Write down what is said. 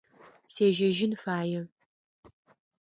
Сежьэжьын фае.